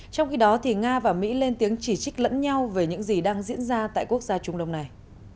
trong khi đó nga và mỹ lên tiếng chỉ trích lẫn nhau về những gì đang diễn ra tại quốc gia trung đông này